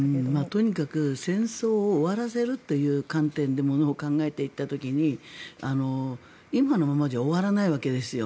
とにかく戦争を終わらせるという観点でものを考えていった時に今のままじゃ終わらないわけですよ。